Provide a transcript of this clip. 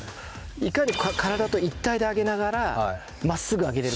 いかに体と一体で上げながら真っすぐ上げれるかです。